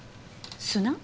砂？